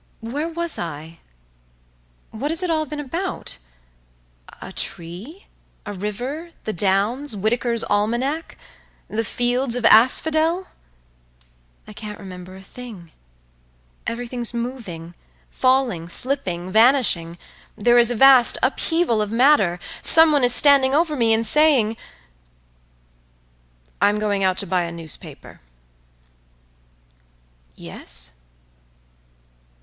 … Where was I? What has it all been about? A tree? A river? The Downs? Whitaker's Almanack? The fields of asphodel? I can't remember a thing. Everything's moving, falling, slipping, vanishing.… There is a vast upheaval of matter. Someone is standing over me and saying—"I'm going out to buy a newspaper.""Yes?"